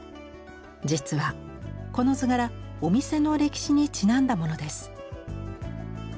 実はこの図柄お店の歴史にちなんだものです。